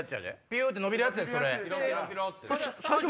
ピュって伸びるやつそれ。